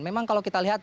memang kalau kita lihat